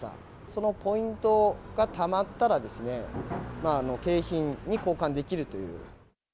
そのポイントがたまったら、景品に交換できるという。